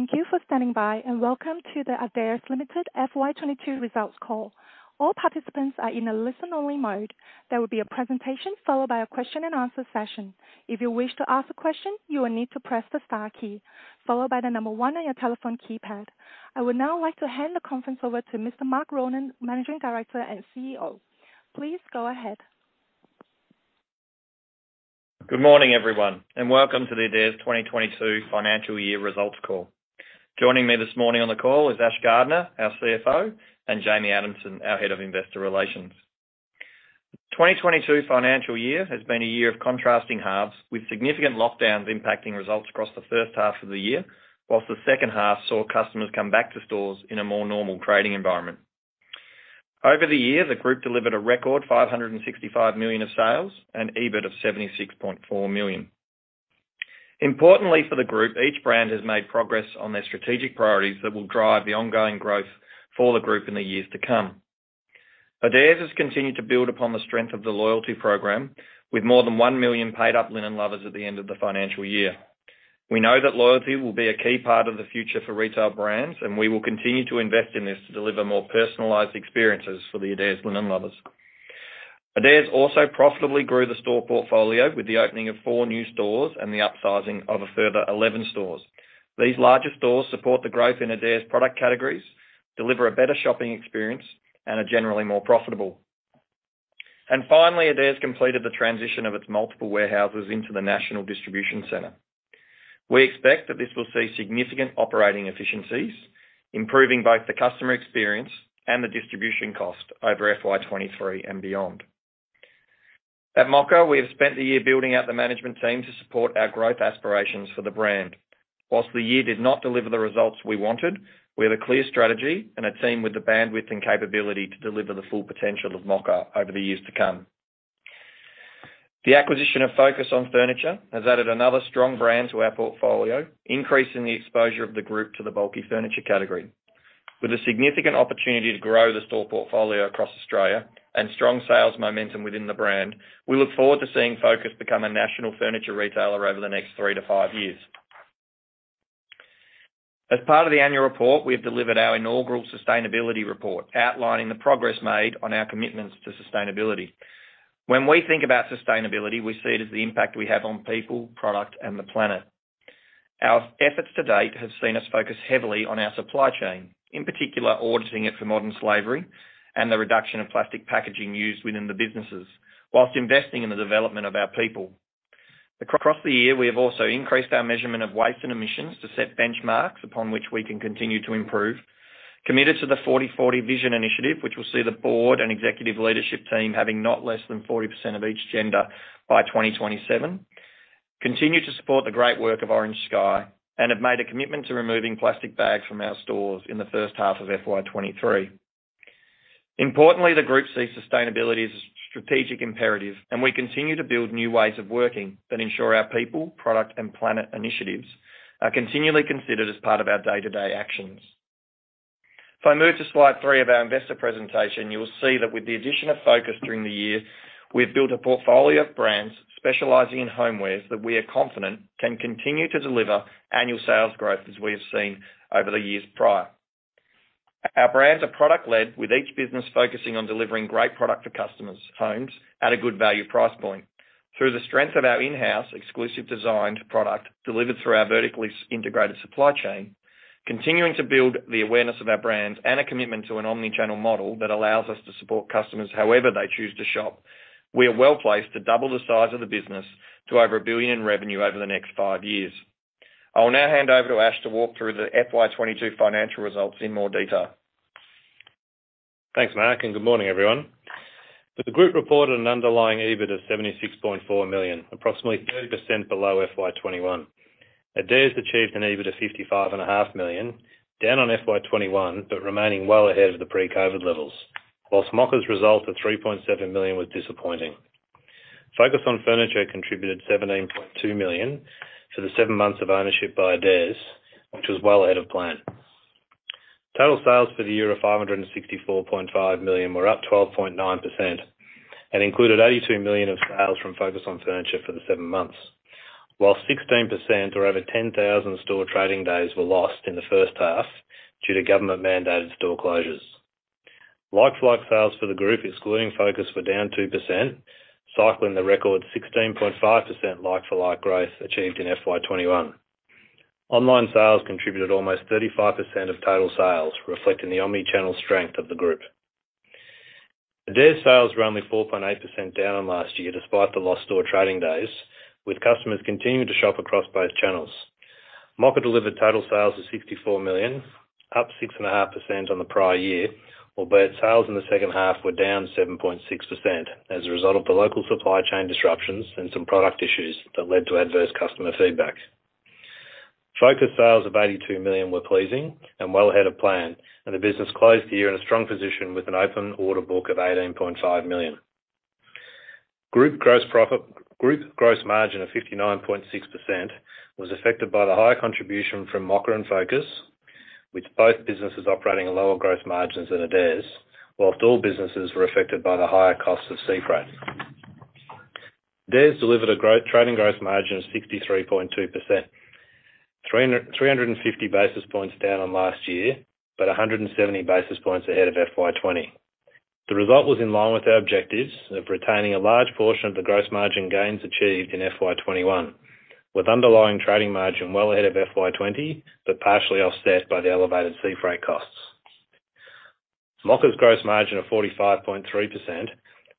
Thank you for standing by, and welcome to the Adairs Limited FY22 Results Call. All participants are in a listen-only mode. There will be a presentation followed by a question and answer session. If you wish to ask a question, you will need to press the star key followed by the number one on your telephone keypad. I would now like to hand the conference over to Mr. Mark Ronan, Managing Director and CEO. Please go ahead. Good morning, everyone, welcome to the Adairs' 2022 Financial Year Results Call. Joining me this morning in the call is Ash Gardner, our CFO, and Jamie Adamson, our Head of Investor Relations. The 2022 financial year has been a year of contrasting halves, with significant lockdowns impacting results across the first half of the year. The second half saw customers come back to stores in a more normal trading environment. Over the year, the group delivered a record 565 million of sales and EBIT of 76.4 million. Importantly for the group, each brand has made progress on their strategic priorities that will drive the ongoing growth for the group in the years to come. Adairs has continued to build upon the strength of the loyalty program, with more than 1 million paid-up Linen Lovers at the end of the financial year. We know that loyalty will be a key part of the future for retail brands, and we will continue to invest in this to deliver more personalized experiences for the Adairs Linen Lovers. Adairs also profitably grew the store portfolio with the opening of four new stores and the upsizing of a further 11 stores. These larger stores support the growth in Adairs' product categories, deliver a better shopping experience, and are generally more profitable. Finally, Adairs completed the transition of its multiple warehouses into the National Distribution Center. We expect that this will see significant operating efficiencies, improving both the customer experience and the distribution cost over FY23 and beyond. At Mocka, we have spent the year building out the management team to support our growth aspirations for the brand. Whilst the year did not deliver the results we wanted, we have a clear strategy and a team with the bandwidth and capability to deliver the full potential of Mocka over the years to come. The acquisition of Focus on Furniture has added another strong brand to our portfolio, increasing the exposure of the group to the bulky furniture category. With a significant opportunity to grow the store portfolio across Australia and strong sales momentum within the brand, we look forward to seeing Focus become a national furniture retailer over the next three-five years. As part of the annual report, we have delivered our inaugural sustainability report outlining the progress made on our commitments to sustainability. When we think about sustainability, we see it as the impact we have on people, product, and the planet. Our efforts to date have seen us focus heavily on our supply chain, in particular, auditing it for modern slavery and the reduction of plastic packaging used within the businesses while investing in the development of our people. Across the year, we have also increased our measurement of waste and emissions to set benchmarks upon which we can continue to improve. Committed to the 40:40 Vision initiative, which will see the board and executive leadership team having not less than 40% of each gender by 2027. Continue to support the great work of Orange Sky, and have made a commitment to removing plastic bags from our stores in the first half of FY23. Importantly, the group sees sustainability as a strategic imperative, and we continue to build new ways of working that ensure our people, product, and planet initiatives are continually considered as part of our day-to-day actions. If I move to slide three of our investor presentation, you will see that with the addition of Focus during the year, we've built a portfolio of brands specializing in homewares that we are confident can continue to deliver annual sales growth as we have seen over the years prior. Our brands are product-led, with each business focusing on delivering great product to customers' homes at a good value price point. Through the strength of our in-house exclusive designed product delivered through our vertically integrated supply chain, continuing to build the awareness of our brands and a commitment to an omni-channel model that allows us to support customers however they choose to shop. We are well-placed to double the size of the business to over 1 billion in revenue over the next five years. I will now hand over to Ash to walk through the FY22 financial results in more detail. Thanks, Mark. Good morning, everyone. The group reported an underlying EBIT of 76.4 million, approximately 30% below FY21. Adairs achieved an EBIT of 55.5 million, down on FY21, remaining well ahead of the pre-COVID levels. Whilst Mocka's result of 3.7 million was disappointing. Focus on Furniture contributed 17.2 million to the seven months of ownership by Adairs, which was well ahead of plan. Total sales for the year of 564.5 million were up 12.9% and included 82 million of sales from Focus on Furniture for the seven months. While 16% or over 10,000 store trading days were lost in the first half due to government-mandated store closures. Like-for-like sales for the group, excluding Focus, were down 2%, cycling the record 16.5% like-for-like growth achieved in FY21. Online sales contributed almost 35% of total sales, reflecting the omni-channel strength of the group. Adairs sales were only 4.8% down on last year, despite the lost store trading days, with customers continuing to shop across both channels. Mocka delivered total sales of AUD 64 million, up 6.5% on the prior year. Sales in the second half were down 7.6% as a result of the local supply chain disruptions and some product issues that led to adverse customer feedback. Focus sales of 82 million were pleasing and well ahead of plan, and the business closed the year in a strong position with an open order book of 18.5 million. Group gross margin of 59.6% was affected by the higher contribution from Mocka and Focus, with both businesses operating at lower growth margins than Adairs, while all businesses were affected by the higher cost of sea freight. There's delivered a trading growth margin of 63.2%. 350 basis points down on last year, but 170 basis points ahead of FY20. The result was in line with our objectives of retaining a large portion of the gross margin gains achieved in FY21, with underlying trading margin well ahead of FY20, but partially offset by the elevated sea freight costs. Mocka's gross margin of 45.3%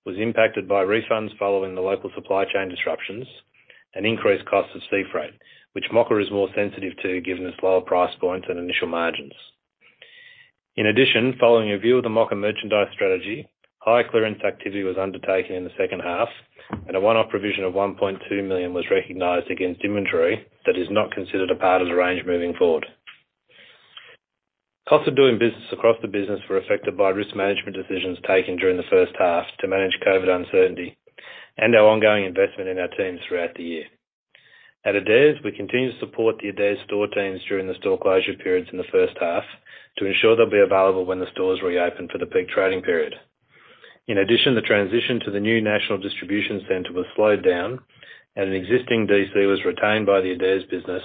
was impacted by refunds following the local supply chain disruptions and increased costs of sea freight, which Mocka is more sensitive to given its lower price point and initial margins. Following a review of the Mocka merchandise strategy, high clearance activity was undertaken in the second half, and a one-off provision of 1.2 million was recognized against inventory that is not considered a part of the range moving forward. Cost of doing business across the business were affected by risk management decisions taken during the first half to manage COVID uncertainty and our ongoing investment in our teams throughout the year. At Adairs, we continue to support the Adairs store teams during the store closure periods in the first half to ensure they'll be available when the stores reopen for the peak trading period. In addition, the transition to the new National Distribution Center was slowed down, and the existing DC was retained by the Adairs business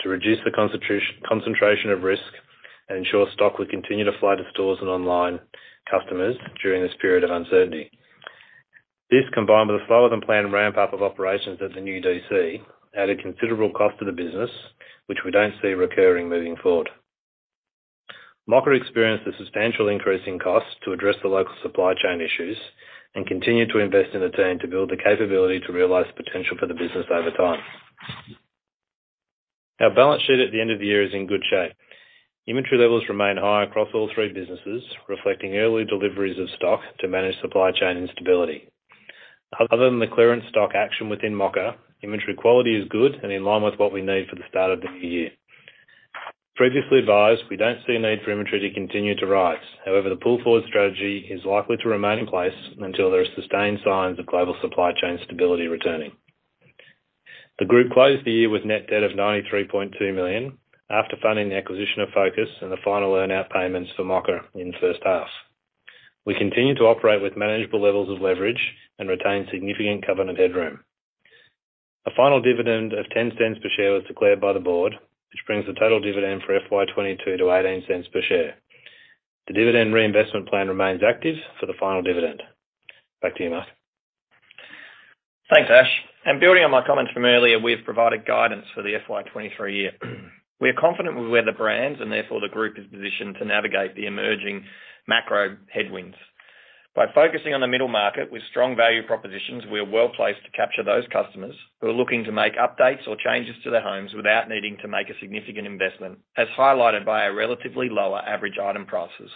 to reduce the concentration of risk and ensure stock would continue to flow to stores and online customers during this period of uncertainty. This, combined with a slower than planned ramp-up of operations at the new DC, added considerable cost to the business, which we don't see recurring moving forward. Mocka experienced a substantial increase in costs to address the local supply chain issues and continued to invest in the team to build the capability to realize the potential for the business over time. Our balance sheet at the end of the year is in good shape. Inventory levels remain high across all three businesses, reflecting early deliveries of stock to manage supply chain instability. Other than the clearance stock action within Mocka, inventory quality is good and in line with what we need for the start of the new year. Previously advised, we don't see a need for inventory to continue to rise. The pull-forward strategy is likely to remain in place until there are sustained signs of global supply chain stability returning. The group closed the year with net debt of 93.2 million after funding the acquisition of Focus and the final earn-out payments for Mocka in the first half. We continue to operate with manageable levels of leverage and retain significant covenant headroom. A final dividend of 0.10 per share was declared by the board, which brings the total dividend for FY22 to 0.18 per share. The dividend reinvestment plan remains active for the final dividend. Back to you, Mark. Thanks, Ash. Building on my comments from earlier, we have provided guidance for the FY23 year. We are confident with where the brands and therefore the group is positioned to navigate the emerging macro headwinds. By focusing on the middle market with strong value propositions, we are well-placed to capture those customers who are looking to make updates or changes to their homes without needing to make a significant investment, as highlighted by our relatively lower average item prices.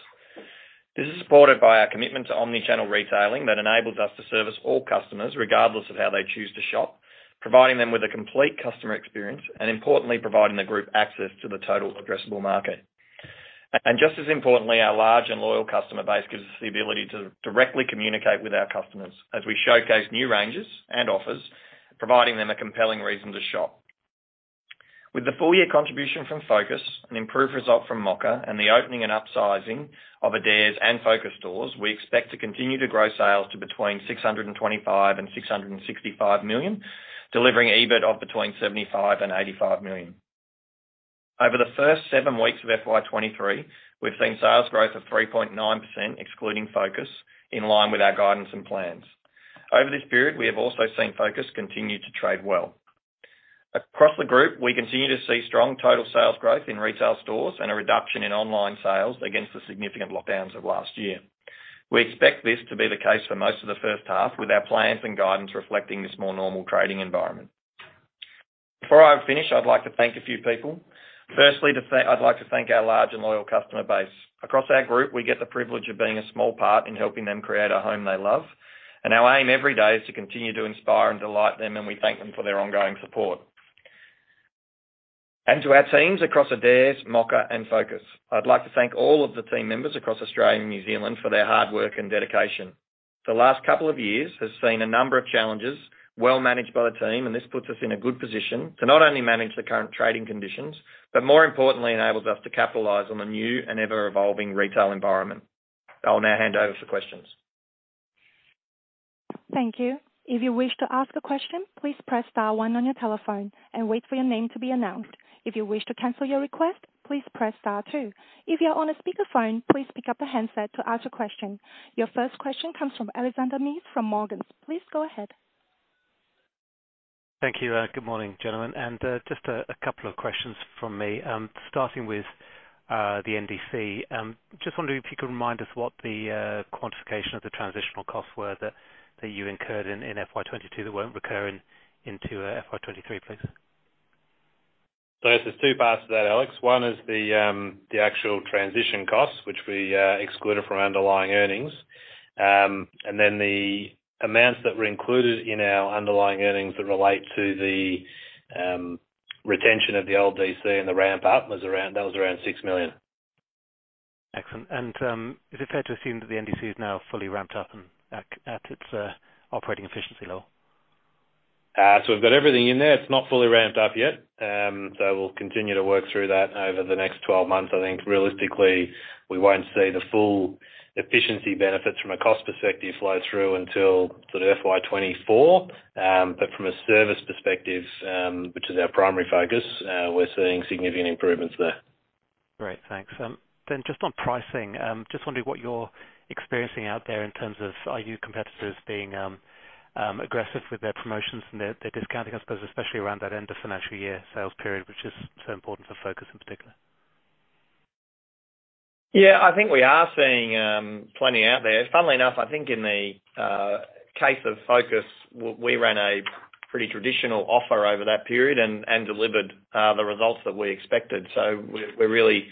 This is supported by our commitment to omni-channel retailing that enables us to service all customers regardless of how they choose to shop, providing them with a complete customer experience, and importantly, providing the group access to the total addressable market. Just as importantly, our large and loyal customer base gives us the ability to directly communicate with our customers as we showcase new ranges and offers, providing them a compelling reason to shop. With the full-year contribution from Focus, an improved result from Mocka, and the opening and upsizing of Adairs and Focus stores, we expect to continue to grow sales to between 625 million and 665 million, delivering EBIT of between 75 million and 85 million. Over the first seven weeks of FY23, we've seen sales growth of 3.9%, excluding Focus, in line with our guidance and plans. Over this period, we have also seen Focus continue to trade well. Across the group, we continue to see strong total sales growth in retail stores and a reduction in online sales against the significant lockdowns of last year. We expect this to be the case for most of the first half, with our plans and guidance reflecting this more normal trading environment. Before I finish, I'd like to thank a few people. Firstly, I'd like to thank our large and loyal customer base. Across our group, we get the privilege of being a small part in helping them create a home they love, and our aim every day is to continue to inspire and delight them, and we thank them for their ongoing support. To our teams across Adairs, Mocka, and Focus, I'd like to thank all of the team members across Australia and New Zealand for their hard work and dedication. The last couple of years has seen a number of challenges well managed by the team, and this puts us in a good position to not only manage the current trading conditions, but more importantly, enables us to capitalize on the new and ever-evolving retail environment. I will now hand over for questions. Thank you. If you wish to ask a question, please press star one on your telephone and wait for your name to be announced. If you wish to cancel your request, please press star two. If you're on a speakerphone, please pick up a handset to ask your question. Your first question comes from Alexander Mead from Morgans. Please go ahead. Thank you. Good morning, gentlemen. Just a couple of questions from me, starting with the NDC. Just wondering if you could remind us what the quantification of the transitional costs were that you incurred in FY22 that won't recur into FY23, please. I guess there's two parts to that, Alex. One is the actual transition costs, which we excluded from underlying earnings. Then the amounts that were included in our underlying earnings that relate to the retention of the old DC and the ramp up was around 6 million. Excellent. Is it fair to assume that the NDC is now fully ramped up and at its operating efficiency level? We've got everything in there. It's not fully ramped up yet. We'll continue to work through that over the next 12 months. I think realistically, we won't see the full efficiency benefits from a cost perspective flow through until sort of FY24. From a service perspective, which is our primary focus, we're seeing significant improvements there. Great. Thanks. Just on pricing, just wondering what you're experiencing out there in terms of, are your competitors being aggressive with their promotions and their discounting, I suppose, especially around that end of financial year sales period, which is so important for Focus in particular? Yeah. I think we are seeing plenty out there. Funnily enough, I think in the case of Focus, we ran a pretty traditional offer over that period and delivered the results that we expected. We're really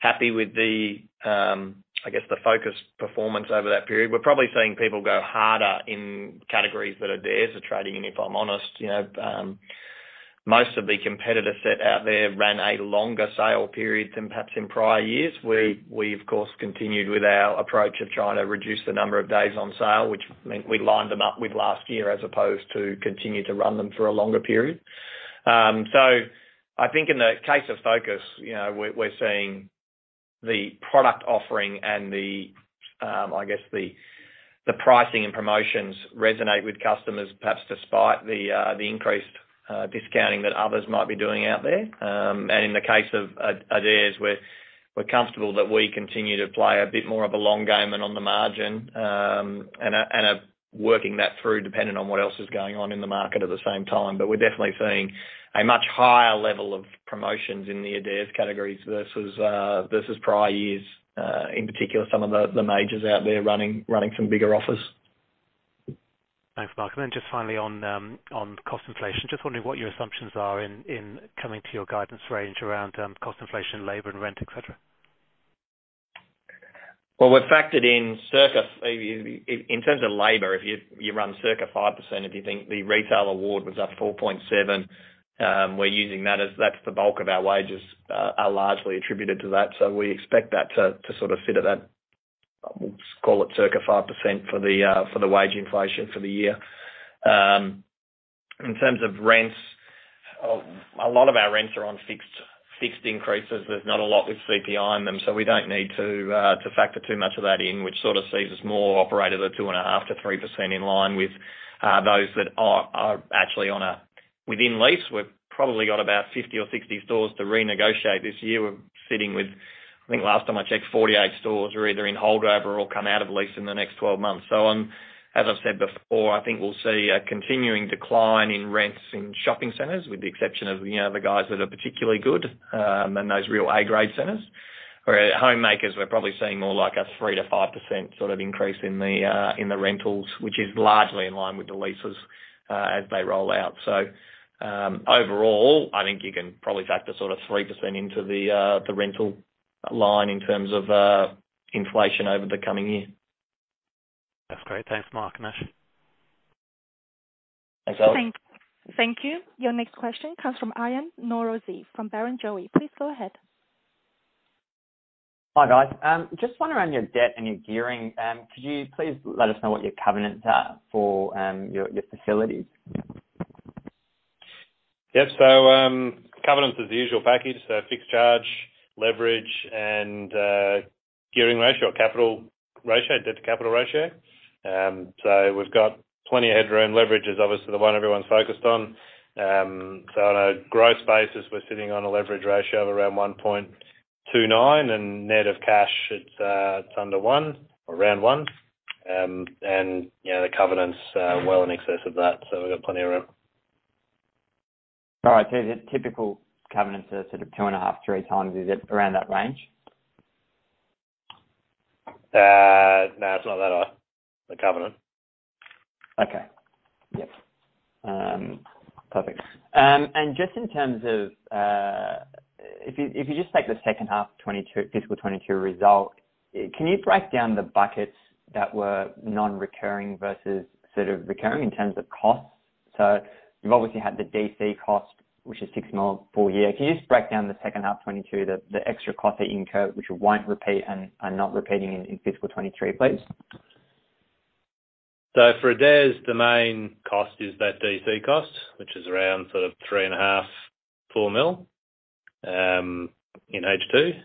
happy with the, I guess, the Focus performance over that period. We're probably seeing people go harder in categories that theirs are trading in, if I'm honest, you know, most of the competitor set out there ran a longer sale period than perhaps in prior years. We, of course, continued with our approach of trying to reduce the number of days on sale, which meant we lined them up with last year as opposed to continue to run them for a longer period. I think in the case of Focus, you know, we're seeing the product offering and the, I guess, the pricing and promotions resonate with customers, perhaps despite the increased discounting that others might be doing out there. In the case of Adairs, we're comfortable that we continue to play a bit more of a long game and on the margin, and are working that through dependent on what else is going on in the market at the same time. We're definitely seeing a much higher level of promotions in the Adairs categories versus prior years, in particular, some of the majors out there running some bigger offers. Thanks, Mark. Just finally on cost inflation. Just wondering what your assumptions are in coming to your guidance range around, cost inflation, labor and rent, et cetera? Well, we've factored in In terms of labor, if you run circa 5%, if you think the Retail Award was up 4.7%, we're using that as that's the bulk of our wages are largely attributed to that. We expect that to sort of sit at that, we'll call it circa 5% for the wage inflation for the year. In terms of rents, a lot of our rents are on fixed increases. There's not a lot with CPI in them, we don't need to factor too much of that in which sort of sees us more operators at 2.5%-3% in line with those that are actually on a within lease. We've probably got about 50 or 60 stores to renegotiate this year. We're sitting with, I think last time I checked, 48 stores are either in holdover or come out of lease in the next 12 months. As I've said before, I think we'll see a continuing decline in rents in shopping centers, with the exception of, you know, the guys that are particularly good, and those real A grade centers. Where at Homemakers, we're probably seeing more like a 3%-5% sort of increase in the rentals, which is largely in line with the leases, as they roll out. Overall, I think you can probably factor sort of 3% into the rental line in terms of inflation over the coming year. That's great. Thanks, Mark and Ash. Thanks, Alex. Thank you. Your next question comes from Aryan Norozi from Barrenjoey. Please go ahead. Hi, guys. Just one around your debt and your gearing. Could you please let us know what your covenants are for, your facilities? Yes. Covenants is the usual package, so fixed charge, leverage and gearing ratio, capital ratio, debt to capital ratio. We've got plenty of headroom. Leverage is obviously the one everyone's focused on. On a growth basis, we're sitting on a leverage ratio of around 1.29, and net of cash, it's under one or around one. You know, the covenants are well in excess of that, so we've got plenty of room. All right. The typical covenants are sort of 2.5x, 3x. Is it around that range? No, it's not that high, the covenant. Okay. Yep. Perfect. Just in terms of, if you just take the second half of 2022 fiscal 2022 result, can you break down the buckets that were non-recurring versus sort of recurring in terms of costs? You've obviously had the DC cost, which is 6 million full year. Can you just break down the second half 2022, the extra cost that you incurred which won't repeat and are not repeating in fiscal 2023, please? For Adairs, the main cost is that DC cost, which is around sort of 3.5 million, 4 million, in H2.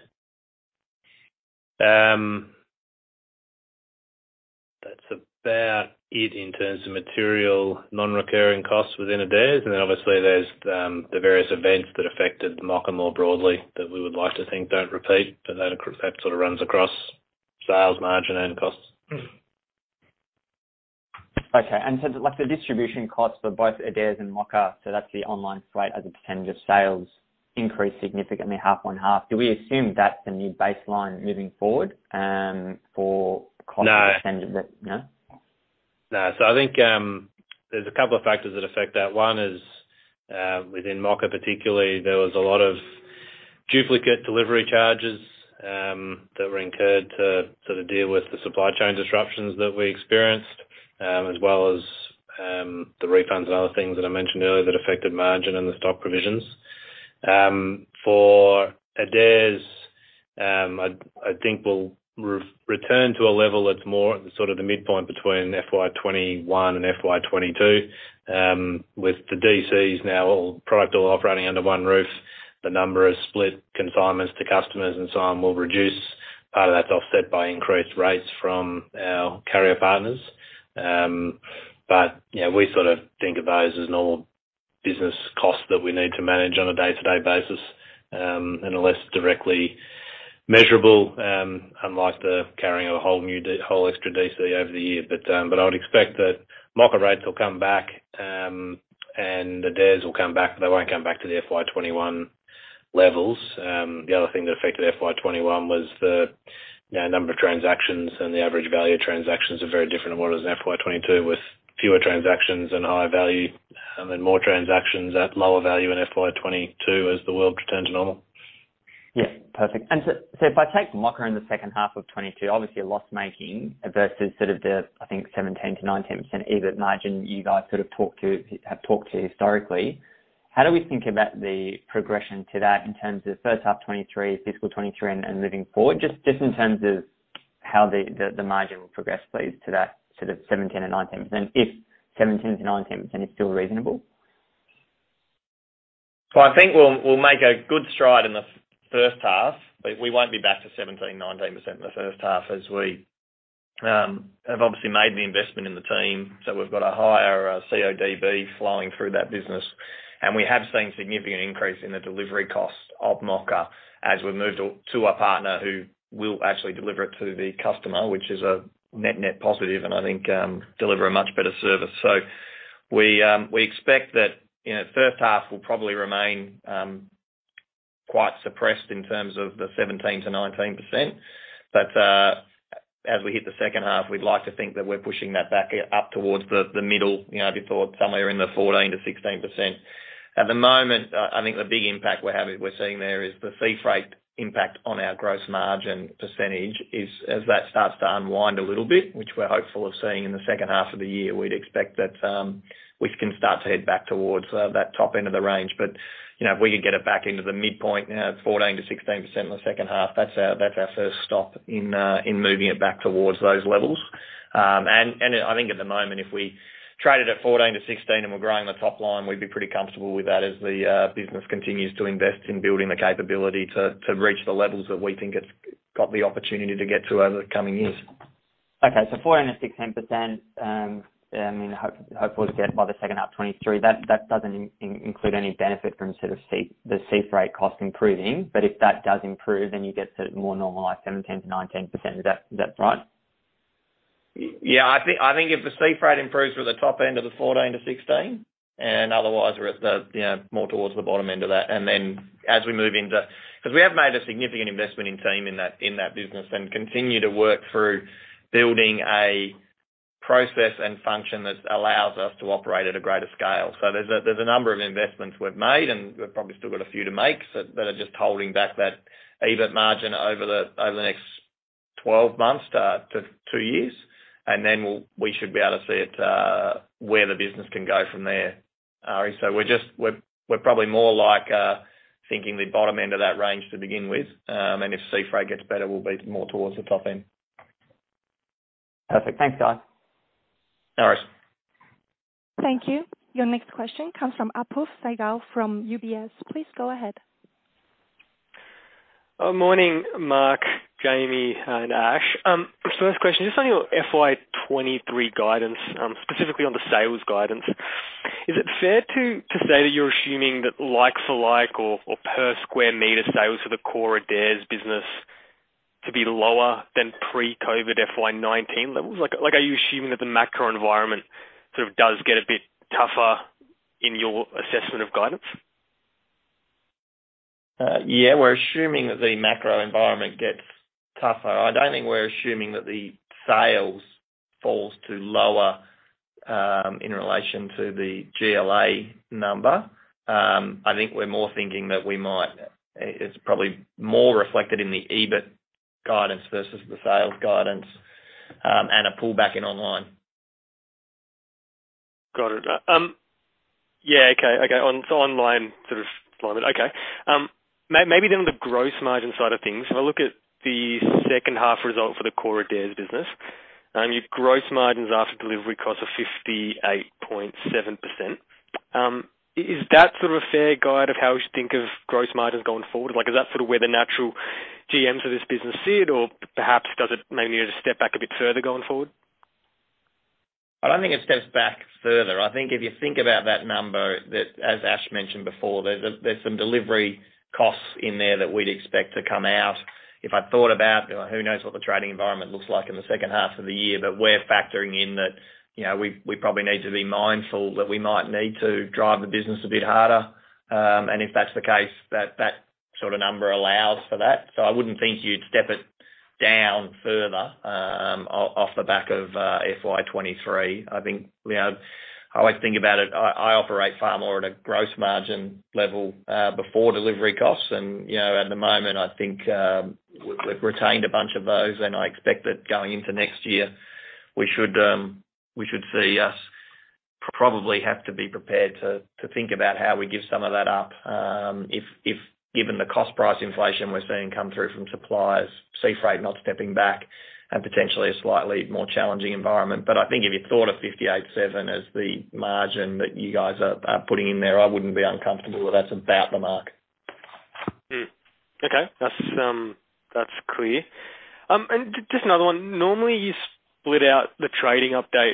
That's about it in terms of material non-recurring costs within Adairs. Then obviously, there's the various events that affected Mocka more broadly that we would like to think don't repeat, but that sort of runs across sales margin and costs. Okay. Like the distribution costs for both Adairs and Mocka, so that's the online slate as a percentage of sales increased significantly, half on half. Do we assume that's the new baseline moving forward for cost percentage of-? No. No? No. I think there's a couple of factors that affect that. One is, within Mocka particularly, there was a lot of duplicate delivery charges that were incurred to sort of deal with the supply chain disruptions that we experienced, as well as the refunds and other things that I mentioned earlier that affected margin and the stock provisions. For Adairs, I think we'll return to a level that's more sort of the midpoint between FY21 and FY22, with the DCs now all product all operating under one roof, the number of split consignments to customers and so on will reduce. Part of that's offset by increased rates from our carrier partners. We sort of think of those as normal business costs that we need to manage on a day-to-day basis, and are less directly measurable, unlike the carrying a whole new extra DC over the year. I would expect that Mocka rates will come back, and the Adairs will come back, but they won't come back to the FY21 levels. The other thing that affected FY21 was the, you know, number of transactions, and the average value of transactions are very different to what it was in FY22, with fewer transactions and higher value, and then more transactions at lower value in FY22 as the world returned to normal. Yeah. Perfect. If I take Mocka in the second half of 2022, obviously you're loss-making versus sort of the, I think 17%-19% EBIT margin you guys sort of talked to, have talked to historically. How do we think about the progression to that in terms of first half 2023, fiscal 2023 and moving forward? Just in terms of how the margin will progress please to that, to the 17%-19%, if 17%-19% is still reasonable? I think we'll make a good stride in the first half, but we won't be back to 17%-19% in the first half as we have obviously made the investment in the team. We've got a higher CODB flowing through that business. We have seen significant increase in the delivery cost of Mocka as we've moved to a partner who will actually deliver it to the customer, which is a net-net positive, and I think deliver a much better service. We expect that, you know, first half will probably remain quite suppressed in terms of the 17%-19%. As we hit the second half, we'd like to think that we're pushing that back up towards the middle, you know, if you thought somewhere in the 14%-16%. At the moment, I think the big impact we're seeing there is the sea freight impact on our gross margin percentage is as that starts to unwind a little bit, which we're hopeful of seeing in the second half of the year, we'd expect that we can start to head back towards that top end of the range. You know, if we could get it back into the midpoint, 14%-16% in the second half, that's our first stop in moving it back towards those levels. I think at the moment, if we traded at 14%-16% and we're growing the top line, we'd be pretty comfortable with that as the business continues to invest in building the capability to reach the levels that we think it's got the opportunity to get to over the coming years. 14%-16%, I mean, hopeful to get by the second half 2023. That doesn't include any benefit from the sea freight cost improving, but if that does improve, then you get to more normalized 7%-9%, 10%. Is that right? Yeah. I think if the sea freight improves, we're at the top end of the 14%-16%, and otherwise we're at the, you know, more towards the bottom end of that. As we move into. 'Cause we have made a significant investment in team in that, in that business and continue to work through building a process and function that allows us to operate at a greater scale. There's a number of investments we've made, and we've probably still got a few to make that are just holding back that EBIT margin over the next 12 months to two years. We should be able to see it where the business can go from there. We're just. We're probably more like thinking the bottom end of that range to begin with. If sea freight gets better, we'll be more towards the top end. Perfect. Thanks, Guy. No worries. Thank you. Your next question comes from Apoorv Sehgal from UBS. Please go ahead. Morning, Mark, Jamie, and Ash. First question, just on your FY23 guidance, specifically on the sales guidance. Is it fair to say that you're assuming that like-for-like or per square meter sales for the core Adairs business to be lower than pre-COVID FY19 levels? Are you assuming that the macro environment sort of does get a bit tougher in your assessment of guidance? Yeah. We're assuming that the macro environment gets tougher. I don't think we're assuming that the sales falls to lower in relation to the GLA number. I think we're more thinking that we might. It's probably more reflected in the EBIT guidance versus the sales guidance and a pullback in online. Got it. Yeah, okay. Okay. Online sort of line. Okay. Maybe then on the gross margin side of things. If I look at the second half result for the core Adairs business, your gross margins after delivery costs are 58.7%. Is that sort of a fair guide of how we should think of gross margins going forward? Like, is that sort of where the natural GMs of this business sit? Or perhaps does it maybe need to step back a bit further going forward? I don't think it steps back further. I think if you think about that number, that, as Ash mentioned before, there's some delivery costs in there that we'd expect to come out. If I thought about, you know, who knows what the trading environment looks like in the second half of the year, but we're factoring in that, you know, we probably need to be mindful that we might need to drive the business a bit harder. If that's the case, that sort of number allows for that. I wouldn't think you'd step it down further off the back of FY23. I think, you know, how I think about it, I operate far more at a gross margin level before delivery costs. You know, at the moment, I think, we've retained a bunch of those, and I expect that going into next year, we should see us probably have to be prepared to think about how we give some of that up, if given the cost price inflation we're seeing come through from suppliers, sea freight not stepping back and potentially a slightly more challenging environment. I think if you thought of 58.7% as the margin that you guys are putting in there, I wouldn't be uncomfortable with that's about the mark. Okay. That's, that's clear. Just another one. Normally, you split out the trading update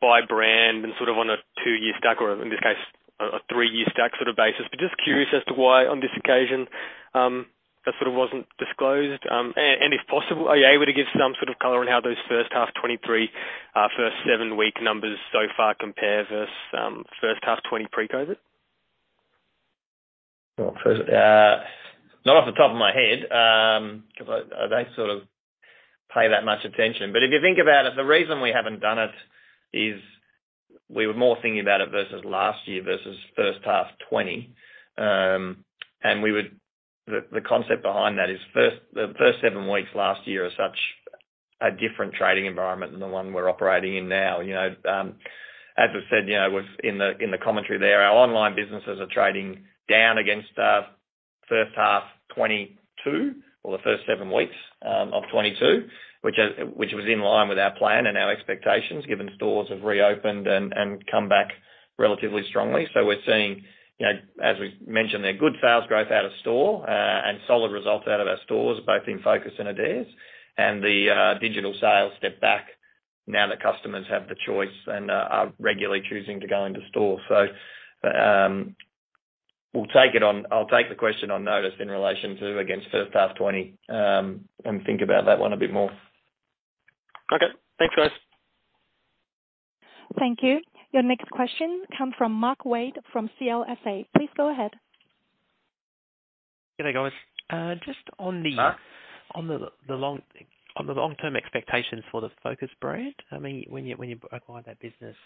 by brand and sort of on a two-year stack, or in this case, a three-year stack sort of basis. Just curious as to why on this occasion, that sort of wasn't disclosed. And if possible, are you able to give some sort of color on how those first half 2023, first seven week numbers so far compare versus, first half 2020 pre-COVID? Well, first, not off the top of my head, 'cause I don't sort of pay that much attention. If you think about it, the reason we haven't done it is we were more thinking about it versus last year versus first half FY20. The concept behind that is first, the first seven weeks last year are such a different trading environment than the one we're operating in now. You know, as I said, you know, was in the, in the commentary there, our online businesses are trading down against, first half FY22 or the first seven weeks of FY22, which is, which was in line with our plan and our expectations, given stores have reopened and come back relatively strongly. We're seeing, you know, as we've mentioned there, good sales growth out of store, and solid results out of our stores, both in Focus and Adairs. digital sales step back now that customers have the choice and are regularly choosing to go into store. I'll take the question on notice in relation to against first half FY20, and think about that one a bit more. Okay. Thanks, guys. Thank you. Your next question comes from Mark Wade from CLSA. Please go ahead. Good day, guys. Mark. On the long-term expectations for the Focus brand, I mean, when you acquired that business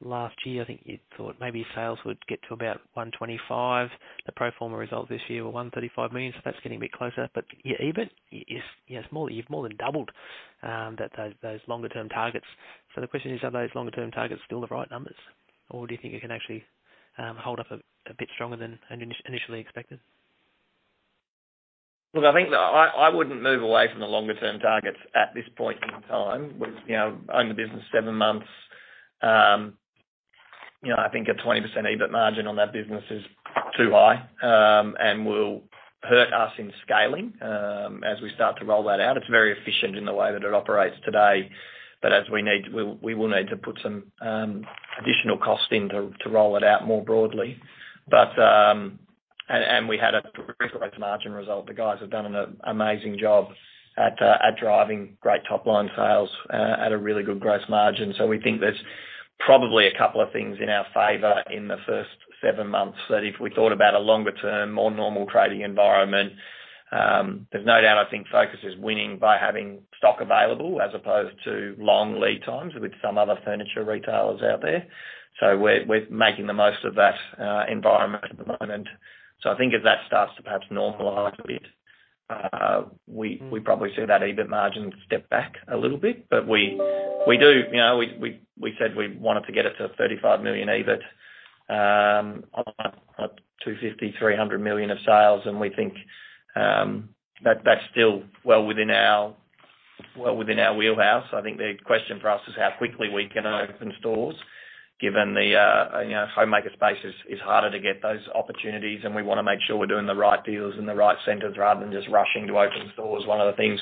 last year, I think you thought maybe sales would get to about 125 million. The pro forma results this year were 135 million, so that's getting a bit closer. EBIT is, you know, more you've more than doubled that those longer term targets. The question is, are those longer term targets still the right numbers? Do you think it can actually hold up a bit stronger than initially expected? Look, I think I wouldn't move away from the longer term targets at this point in time. We've, you know, owned the business seven months. You know, I think a 20% EBIT margin on that business is too high and will hurt us in scaling as we start to roll that out. It's very efficient in the way that it operates today. As we need, we will need to put some additional cost in to roll it out more broadly. We had a great gross margin result. The guys have done an amazing job at driving great top-line sales at a really good gross margin. We think there's probably a couple of things in our favor in the first seven months that if we thought about a longer term, more normal trading environment, there's no doubt, I think Focus is winning by having stock available as opposed to long lead times with some other furniture retailers out there. We're making the most of that environment at the moment. I think as that starts to perhaps normalize a bit, we probably see that EBIT margin step back a little bit. We do, you know, we said we wanted to get it to a 35 million EBIT on 250 million-300 million of sales. We think that that's still well within our, well within our wheelhouse. I think the question for us is how quickly we can open stores, given the, you know, homemaker space is harder to get those opportunities, and we wanna make sure we're doing the right deals in the right centers rather than just rushing to open stores. One of the things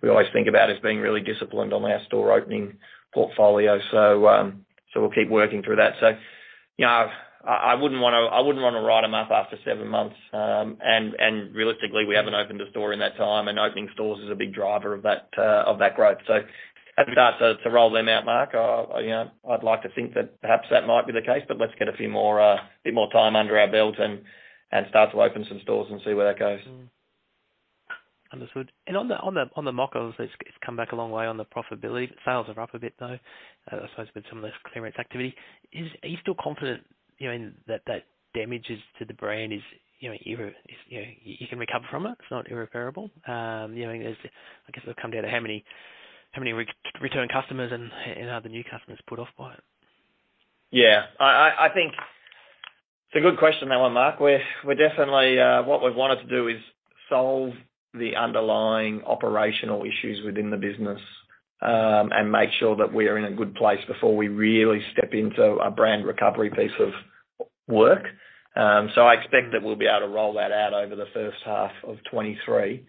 we always think about is being really disciplined on our store opening portfolio. We'll keep working through that. You know, I wouldn't wanna write them up after seven months. Realistically, we haven't opened a store in that time, and opening stores is a big driver of that growth. As we start to roll them out, Mark, you know, I'd like to think that perhaps that might be the case, but let's get a few more bit more time under our belt and start to open some stores and see where that goes. Understood. On the Mocka, it's come back a long way on the profitability. Sales are up a bit, though, I suppose with some of this clearance activity. Are you still confident, you know, in that damage to the brand is, you know, you can recover from it? It's not irreparable? you know, I mean, as I guess it'll come down to how many re-returned customers and are the new customers put off by it. I think it's a good question, that one, Mark. We're definitely what we've wanted to do is solve the underlying operational issues within the business, and make sure that we are in a good place before we really step into a brand recovery piece of work. I expect that we'll be able to roll that out over the first half of 2023.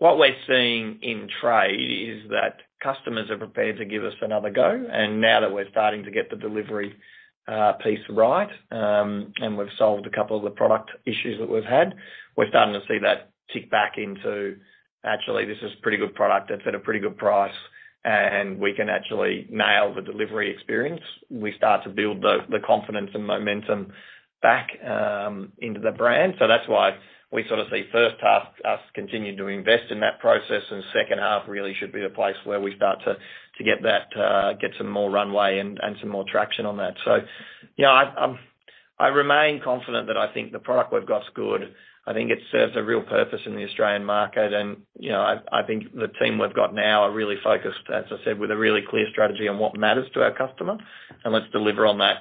What we're seeing in trade is that customers are prepared to give us another go. Now that we're starting to get the delivery piece right, and we've solved a couple of the product issues that we've had, we're starting to see that tick back into, actually, this is pretty good product that's at a pretty good price, and we can actually nail the delivery experience. We start to build the confidence and momentum back into the brand. That's why we sort of see first half, us continuing to invest in that process, and second half really should be the place where we start to get that, get some more runway and some more traction on that. You know, I remain confident that I think the product we've got's good. I think it serves a real purpose in the Australian market. You know, I think the team we've got now are really focused, as I said, with a really clear strategy on what matters to our customer, and let's deliver on that.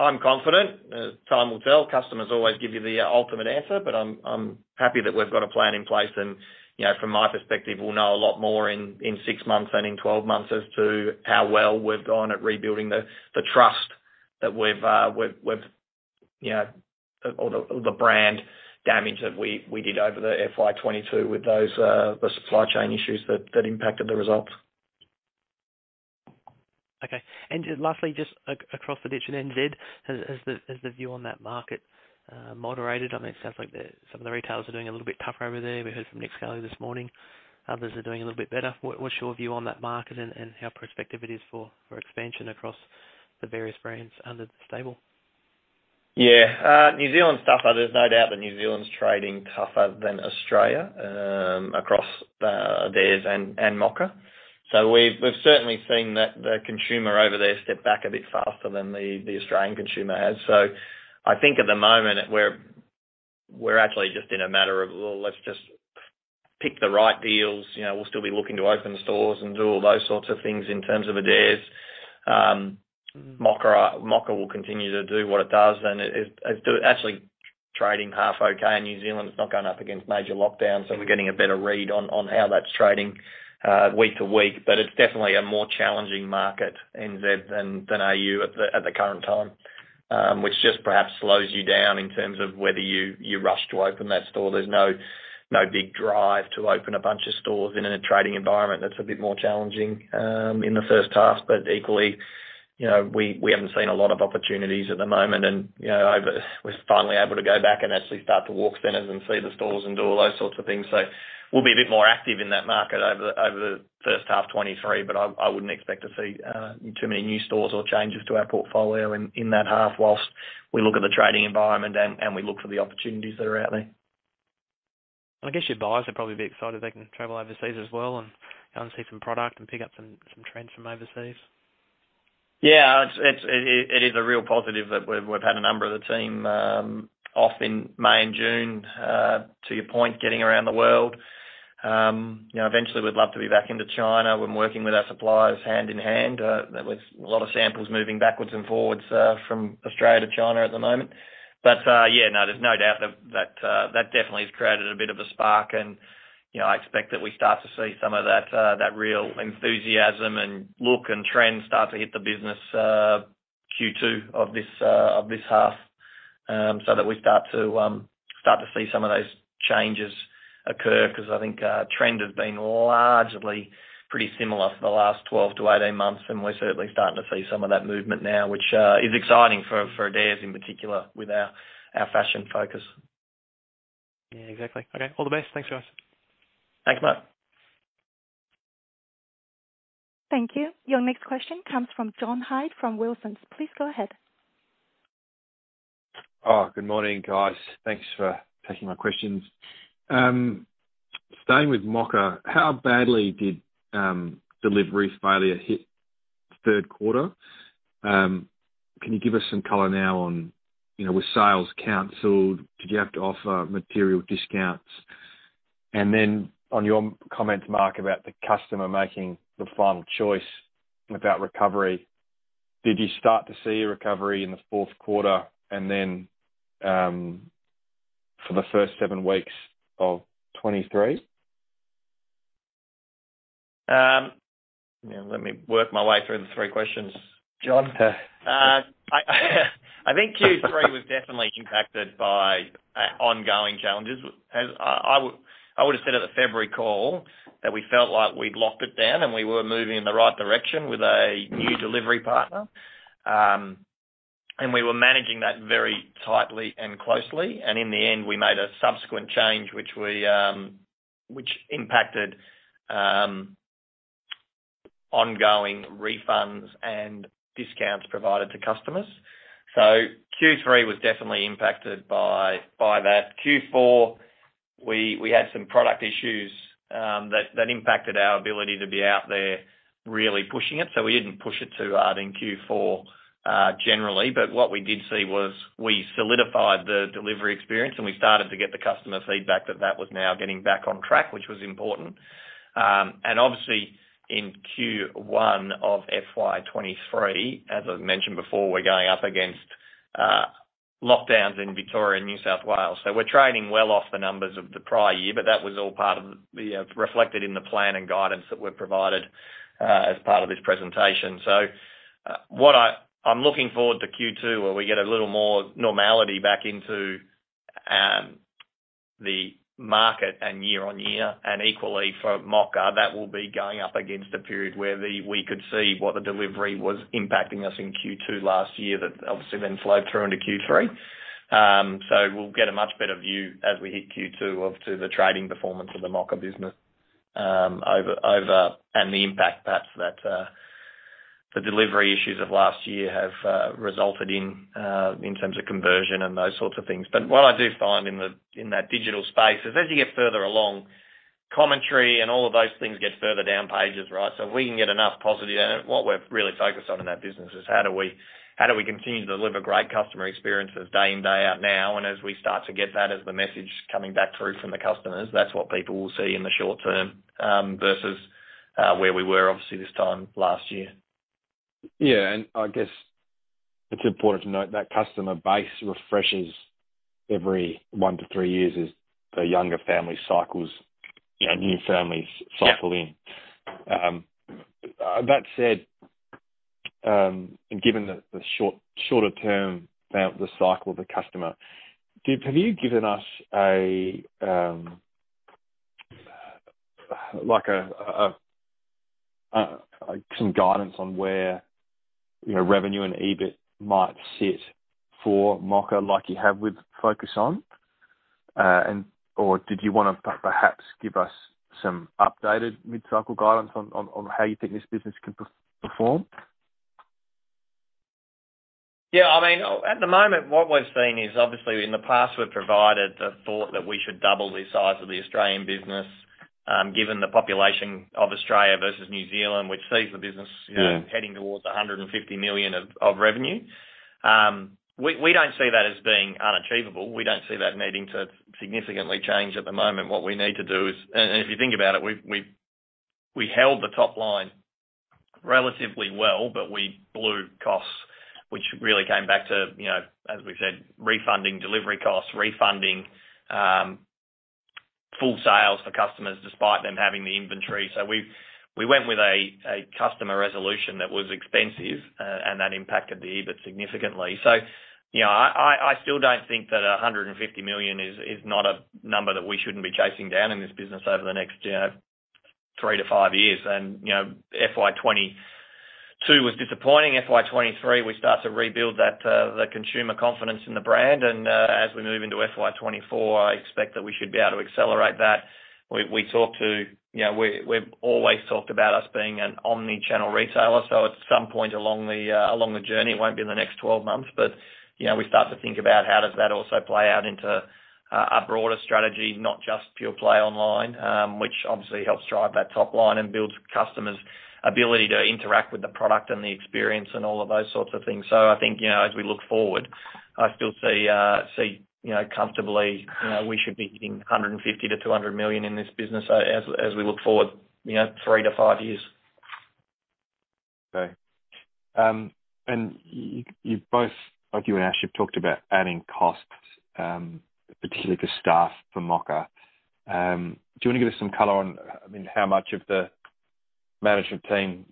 I'm confident. As time will tell, customers always give you the ultimate answer, but I'm happy that we've got a plan in place. You know, from my perspective, we'll know a lot more in six months and in 12 months as to how well we've gone at rebuilding the trust that we've, you know, or the, or the brand damage that we did over the FY22 with those, the supply chain issues that impacted the results. Okay. Just lastly, across the ditch at NZ, has the view on that market moderated? I mean, it sounds like some of the retailers are doing a little bit tougher over there. We heard from Nick Scali this morning. Others are doing a little bit better. What's your view on that market and how prospective it is for expansion across the various brands under the stable? New Zealand's tougher. There's no doubt that New Zealand's trading tougher than Australia, across Adairs and Mocka. We've certainly seen that the consumer over there step back a bit faster than the Australian consumer has. I think at the moment we're actually just in a matter of, well, let's just pick the right deals. You know, we'll still be looking to open stores and do all those sorts of things in terms of Adairs. Mocka will continue to do what it does. It's actually trading half okay in New Zealand. It's not going up against major lockdowns, we're getting a better read on how that's trading week to week. It's definitely a more challenging market, NZ than AU at the, at the current time, which just perhaps slows you down in terms of whether you rush to open that store. There's no big drive to open a bunch of stores in a trading environment that's a bit more challenging in the first half. Equally, you know, we haven't seen a lot of opportunities at the moment and, you know, we're finally able to go back and actually start to walk centers and see the stores and do all those sorts of things. We'll be a bit more active in that market over the first half FY23, but I wouldn't expect to see too many new stores or changes to our portfolio in that half whilst we look at the trading environment and we look for the opportunities that are out there. I guess your buyers will probably be excited they can travel overseas as well and go and see some product and pick up some trends from overseas. It is a real positive that we've had a number of the team off in May and June to your point, getting around the world. You know, eventually we'd love to be back into China. We've been working with our suppliers hand in hand. There was a lot of samples moving backwards and forwards from Australia to China at the moment. There's no doubt that definitely has created a bit of a spark and, you know, I expect that we start to see some of that real enthusiasm and look and trend start to hit the business Q2 of this half so that we start to see some of those changes occur. I think, trend has been largely pretty similar for the last 12 to 18 months, and we're certainly starting to see some of that movement now, which is exciting for Adairs in particular with our fashion focus. Yeah, exactly. Okay. All the best. Thanks guys. Thanks, Mark. Thank you. Your next question comes from John Hynd from Wilsons. Please go ahead. Good morning, guys. Thanks for taking my questions. Staying with Mocka, how badly did delivery failure hit third quarter? Can you give us some color now on, you know, were sales canceled? Did you have to offer material discounts? On your comments, Mark, about the customer making the final choice about recovery, did you start to see a recovery in the fourth quarter and then for the first seven weeks of 2023? Yeah, let me work my way through the three questions, John. I think Q3 was definitely impacted by ongoing challenges. As I would've said at the February call that we felt like we'd locked it down and we were moving in the right direction with a new delivery partner. We were managing that very tightly and closely, and in the end, we made a subsequent change, which we, which impacted ongoing refunds and discounts provided to customers. Q3 was definitely impacted by that. Q4, we had some product issues, that impacted our ability to be out there really pushing it, so we didn't push it too hard in Q4, generally. What we did see was we solidified the delivery experience, and we started to get the customer feedback that that was now getting back on track, which was important. Obviously in Q1 of FY23, as I've mentioned before, we're going up against lockdowns in Victoria and New South Wales. We're trading well off the numbers of the prior year, but that was all part of the, you know, reflected in the plan and guidance that we've provided as part of this presentation. I'm looking forward to Q2, where we get a little more normality back into the market and year-on-year. Equally for Mocka, that will be going up against a period where we could see what the delivery was impacting us in Q2 last year that obviously then flowed through into Q3. We'll get a much better view as we hit Q2 of to the trading performance of the Mocka business over, and the impact perhaps that the delivery issues of last year have resulted in in terms of conversion and those sorts of things. What I do find in that digital space is as you get further along-commentary and all of those things get further down pages, right? If we can get enough positive... What we're really focused on in that business is how do we continue to deliver great customer experiences day in, day out now, and as we start to get that as the message coming back through from the customers, that's what people will see in the short term versus where we were obviously this time last year. Yeah. I guess it's important to note that customer base refreshes every one-three years as the younger family cycles, you know. Yeah. -cycle in. That said, given the shorter term now the cycle of the customer, have you given us a, like some guidance on where, you know, revenue and EBIT might sit for Mocka like you have with Focus on? Or did you wanna perhaps give us some updated mid-cycle guidance on how you think this business can perform? Yeah, I mean, at the moment, what we've seen is obviously in the past we've provided the thought that we should double the size of the Australian business, given the population of Australia versus New Zealand, which sees the business- Mm. You know, heading towards 150 million of revenue. We don't see that as being unachievable. We don't see that needing to significantly change at the moment. What we need to do is. If you think about it, we held the top line relatively well, but we blew costs, which really came back to, you know, as we've said, refunding delivery costs, refunding full sales for customers despite them having the inventory. We went with a customer resolution that was expensive, and that impacted the EBIT significantly. You know, I still don't think that 150 million is not a number that we shouldn't be chasing down in this business over the next, you know, three-five years. You know, FY22 was disappointing. FY23, we start to rebuild that, the consumer confidence in the brand. As we move into FY24, I expect that we should be able to accelerate that. We talked to, you know, we've always talked about us being an omni-channel retailer, so at some point along the journey, it won't be in the next 12 months, but, you know, we start to think about how does that also play out into a broader strategy, not just pure play online, which obviously helps drive that top line and builds customers' ability to interact with the product and the experience and all of those sorts of things. I think, you know, as we look forward, I still see, you know, comfortably, you know, we should be hitting 150 million-200 million in this business as we look forward, you know, three-five years. Okay. You both, like you and Ash, you've talked about adding costs, particularly to staff for Mocka. Do you wanna give us some color on, I mean, how much of the management team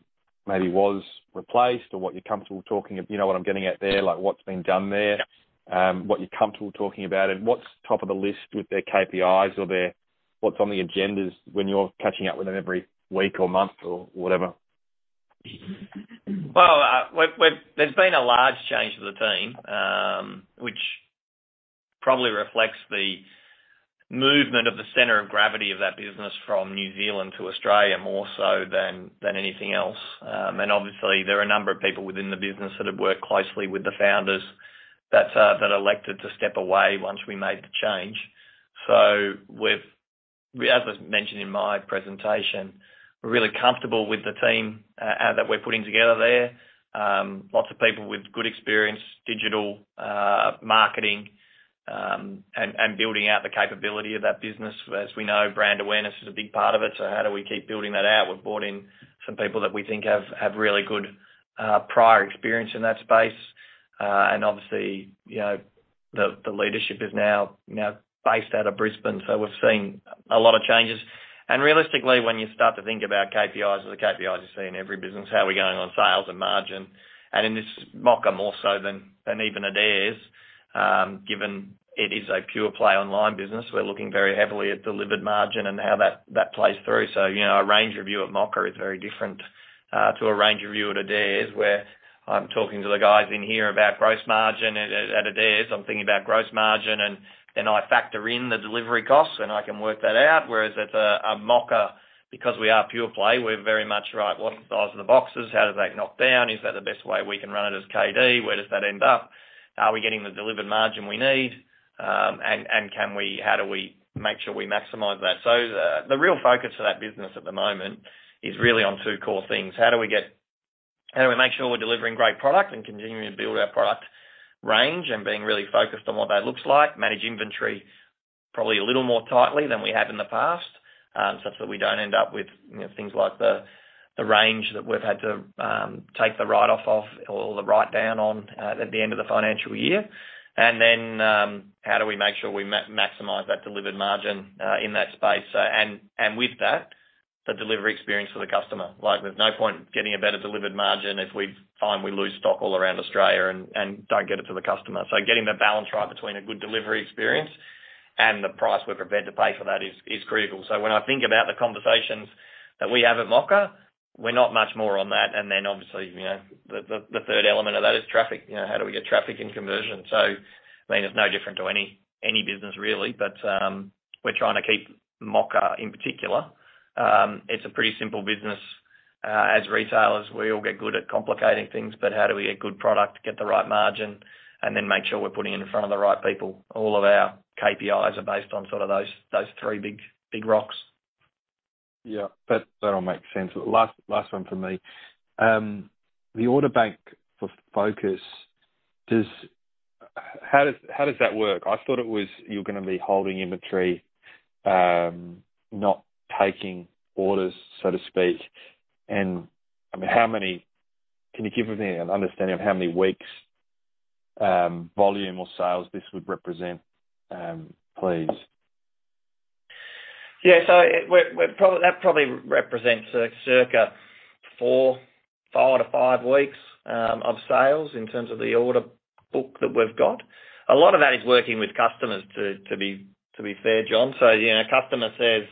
maybe was replaced or what you're comfortable talking, if you know what I'm getting at there, like what's been done there, what you're comfortable talking about, and what's top of the list with their KPIs or their what's on the agendas when you're catching up with them every week or month or whatever? Well, we've there's been a large change to the team, which probably reflects the movement of the center of gravity of that business from New Zealand to Australia more so than anything else. Obviously there are a number of people within the business that have worked closely with the founders that elected to step away once we made the change. As was mentioned in my presentation, we're really comfortable with the team that we're putting together there. Lots of people with good experience, digital, marketing, and building out the capability of that business. As we know, brand awareness is a big part of it, so how do we keep building that out? We've brought in some people that we think have really good prior experience in that space. Obviously, you know, the leadership is now based out of Brisbane. We've seen a lot of changes. Realistically, when you start to think about KPIs or the KPIs you see in every business, how are we going on sales and margin? In this Mocka more so than even Adairs, given it is a pure play online business, we're looking very heavily at delivered margin and how that plays through. You know, a range review at Mocka is very different to a range review at Adairs, where I'm talking to the guys in here about gross margin. At Adairs, I'm thinking about gross margin and then I factor in the delivery costs and I can work that out. Whereas at Mocka, because we are pure play, we're very much like, what's the size of the boxes? How do they knock down? Is that the best way we can run it as KD? Where does that end up? Are we getting the delivered margin we need? Can we, how do we make sure we maximize that? The real focus of that business at the moment is really on two core things. How do we make sure we're delivering great product and continuing to build our product range and being really focused on what that looks like? Manage inventory probably a little more tightly than we have in the past, such that we don't end up with, you know, things like the range that we've had to take the write off of or the write down on at the end of the financial year. How do we make sure we maximize that delivered margin in that space? With that, the delivery experience for the customer. Like, there's no point getting a better delivered margin if we find we lose stock all around Australia and don't get it to the customer. Getting the balance right between a good delivery experience and the price we're prepared to pay for that is crucial. When I think about the conversations that we have at Mocka, we're not much more on that. Obviously, you know, the third element of that is traffic. You know, how do we get traffic and conversion? I mean, it's no different to any business really. We're trying to keep Mocka in particular. It's a pretty simple business. As retailers, we all get good at complicating things, but how do we get good product, get the right margin, and then make sure we're putting it in front of the right people? All of our KPIs are based on sort of those three big, big rocks. Yeah. That all makes sense. Last one from me. The order bank for Focus, how does that work? I thought it was you're gonna be holding inventory, not taking orders, so to speak. I mean, can you give me an understanding of how many weeks, volume or sales this would represent, please? Yeah. That probably represents a circa four-five weeks of sales in terms of the order book that we've got. A lot of that is working with customers, to be fair, John. You know, a customer says,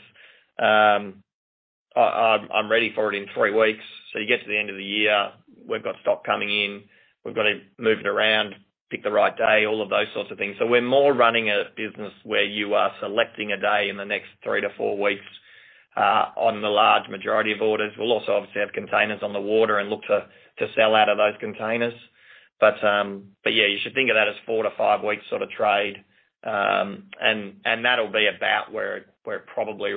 "I'm ready for it in three weeks." You get to the end of the year, we've got stock coming in, we've gotta move it around, pick the right day, all of those sorts of things. We're more running a business where you are selecting a day in the next three-four weeks on the large majority of orders. We'll also obviously have containers on the water and look to sell out of those containers. But yeah, you should think of that as four-five weeks sort of trade. That'll be about where it probably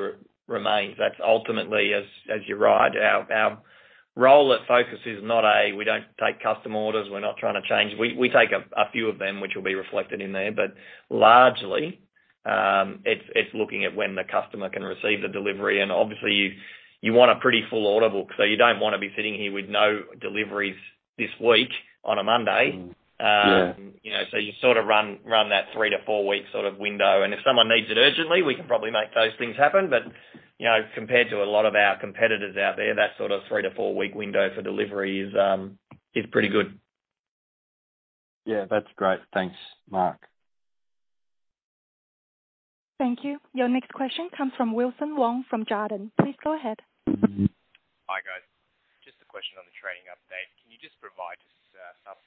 remains. That's ultimately, as you're right, our role at Focus is not a, we don't take custom orders. We're not trying to change. We take a few of them, which will be reflected in there. Largely, it's looking at when the customer can receive the delivery, and obviously, you want a pretty full order book. You don't wanna be sitting here with no deliveries this week on a Monday. Yeah. You know, you sort of run that three-four-week sort of window. If someone needs it urgently, we can probably make those things happen. You know, compared to a lot of our competitors out there, that sort of three-four-week window for delivery is pretty good. Yeah, that's great. Thanks, Mark. Thank you. Your next question comes from Wilson Wong from Jarden. Please go ahead. Hi, guys. Just a question on the trading update. Can you just provide just some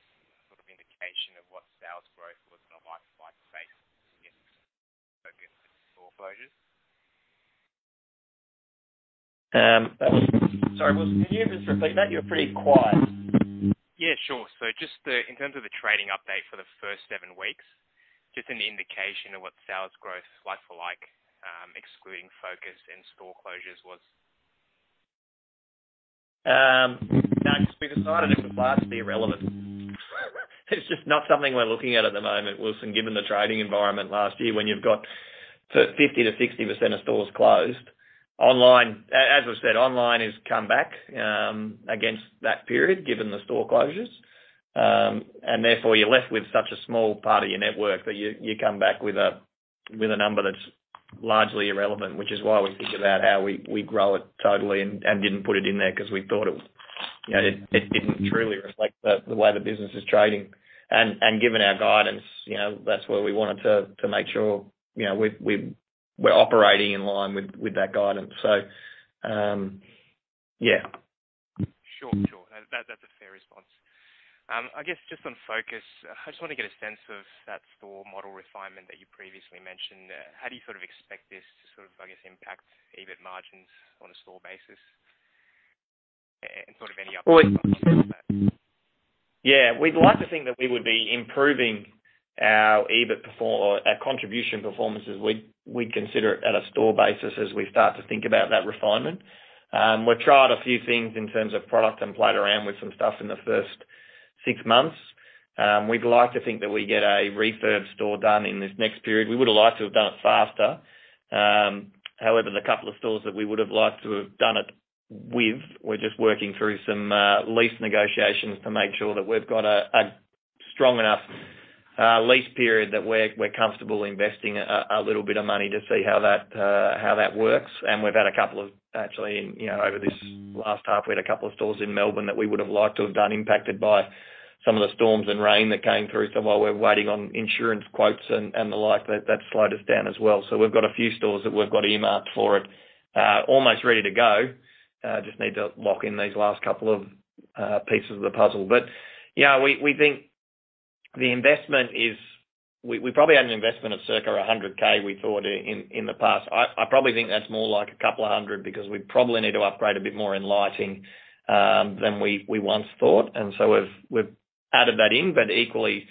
sort of indication of what sales growth looks like base against store closures? Sorry, Wilson, can you just repeat that? You're pretty quiet. Yeah, sure. Just in terms of the trading update for the first seven weeks, just an indication of what sales growth is like-for-like, excluding Focus and store closures was? No, just we decided it was largely irrelevant. It's just not something we're looking at at the moment, Wilson, given the trading environment last year. When you've got 50%-60% of stores closed, online... As I said, online has come back against that period, given the store closures. Therefore, you're left with such a small part of your network that you come back with a, with a number that's largely irrelevant, which is why we think about how we grow it totally and didn't put it in there 'cause we thought it, you know, it didn't truly reflect the way the business is trading. Given our guidance, you know, that's where we wanted to make sure, you know, we're operating in line with that guidance. Yeah. Sure. Sure. That, that's a fair response. I guess just on Focus, I just wanna get a sense of that store model refinement that you previously mentioned. How do you sort of expect this to sort of, I guess, impact EBIT margins on a store basis and sort of any other Yeah. We'd like to think that we would be improving our EBIT or our contribution performances. We'd consider it at a store basis as we start to think about that refinement. We've tried a few things in terms of product and played around with some stuff in the first six months. We'd like to think that we get a refurb store done in this next period. We would have liked to have done it faster. However, the couple of stores that we would have liked to have done it with, we're just working through some lease negotiations to make sure that we've got a strong enough lease period that we're comfortable investing a little bit of money to see how that works. We've had a couple of actually, you know, over this last half, we had a couple of stores in Melbourne that we would have liked to have done impacted by some of the storms and rain that came through. While we're waiting on insurance quotes and the like, that slowed us down as well. We've got a few stores that we've got earmarked for it, almost ready to go. Just need to lock in these last couple of pieces of the puzzle. Yeah, we think the investment is. We probably had an investment of circa 100,000 we thought in the past. I probably think that's more like a couple of hundred because we probably need to upgrade a bit more in lighting than we once thought. We've added that in, but equally,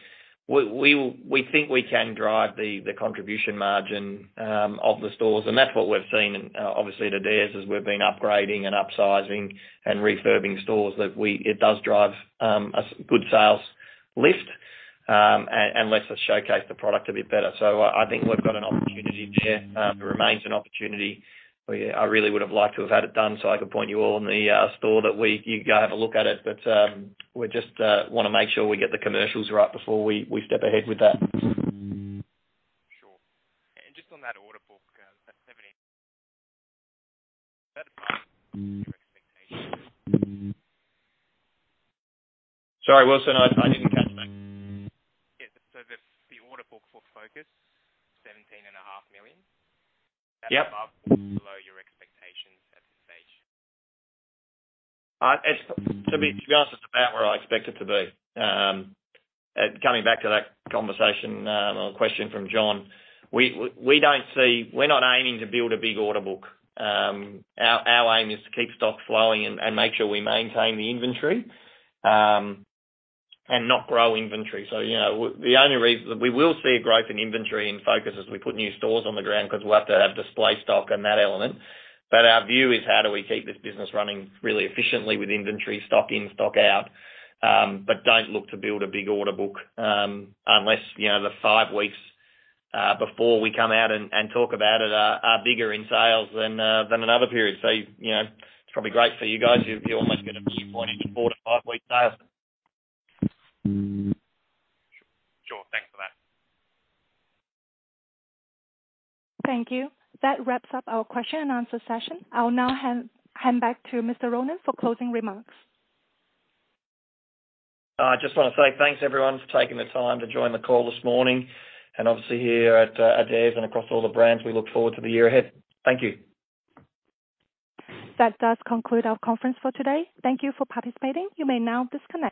we think we can drive the contribution margin of the stores. That's what we've seen in obviously at Adairs as we've been upgrading and upsizing and refurbing stores that it does drive a good sales lift and lets us showcase the product a bit better. I think we've got an opportunity there. It remains an opportunity. Yeah, I really would have liked to have had it done so I could point you all in the store that you go have a look at it. We're just wanna make sure we get the commercials right before we step ahead with that. Sure. just on that order book, that 17 your expectations? Sorry, Wilson, I didn't catch that. Yeah. The order book for Focus, AUD 17.5 million- Yep. That's above or below your expectations at this stage? It's to be, to be honest, it's about where I expect it to be. Coming back to that conversation or question from John, we don't see we're not aiming to build a big order book. Our aim is to keep stock flowing and make sure we maintain the inventory and not grow inventory. You know, the only reason we will see a growth in inventory in Focus as we put new stores on the ground 'cause we'll have to have display stock and that element. Our view is how do we keep this business running really efficiently with inventory stock in, stock out, but don't look to build a big order book, unless, you know, the five weeks before we come out and talk about it are bigger in sales than another period. You know, it's probably great for you guys. You almost get a viewpoint into four to five weeks sales. Sure. Thanks for that. Thank you. That wraps up our question and answer session. I'll now hand back to Mr. Ronan for closing remarks. I just wanna say thanks, everyone, for taking the time to join the call this morning. Obviously here at Adairs and across all the brands, we look forward to the year ahead. Thank you. That does conclude our conference for today. Thank Thank you for participating. You may now disconnect.